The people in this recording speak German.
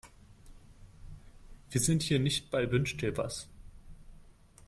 Wir sind hier nicht bei Wünsch-dir-was.